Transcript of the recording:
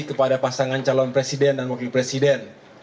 kepada pasangan calon presiden dan wakil presiden